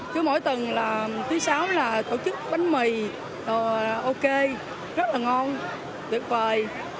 chứ mỗi tuần là tối sáu là tổ chức bánh mì rồi là ok rất là ngon tuyệt vời